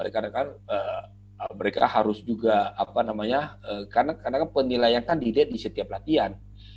karena kan mereka harus juga karena kan penilaian dilihat di setiap latihan